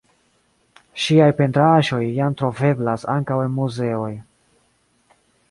Ŝiaj pentraĵoj jam troveblas ankaŭ en muzeoj.